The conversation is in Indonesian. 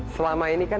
selama ini kan